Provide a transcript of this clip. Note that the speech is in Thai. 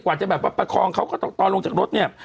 กว่าจะแบบประคองเขาก็ต่อลงจากรถเนี่ย